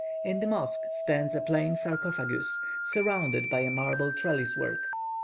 In the mosque stands a plain sarcophagus, surrounded by a marble trellis work.